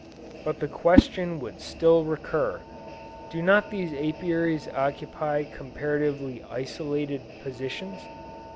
But the question would still recur, do not these Apiaries occupy comparatively isolated positions?